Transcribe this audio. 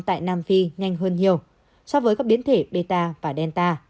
tại nam phi nhanh hơn nhiều so với các biến thể beta và delta